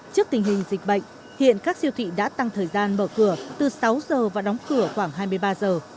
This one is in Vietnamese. trước tình hình dịch bệnh hiện các siêu thị đã tăng thời gian mở cửa từ sáu giờ và đóng cửa khoảng hai mươi ba giờ